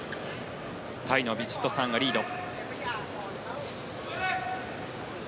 タイのヴィチットサーンがリード。